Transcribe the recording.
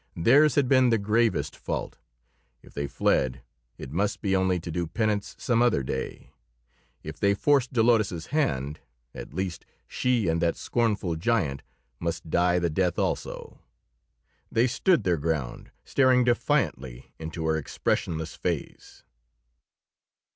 Theirs had been the gravest fault; if they fled, it must be only to do penance some other day; if they forced Dolores's hand, at least she and that scornful giant must die the death also. They stood their ground, staring defiantly into her expressionless face.